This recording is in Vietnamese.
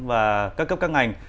và các cấp các ngành